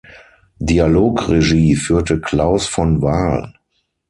Dialogregie führte Klaus von Wahl.